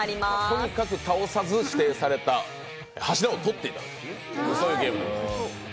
とにかく倒さず指定された柱を取っていただく、そういうゲームです。